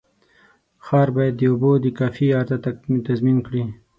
ښار باید د اوبو د کافي عرضه تضمین کړي.